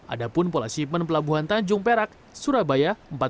ada pun pola shipment pelabuhan tanjung perak surabaya empat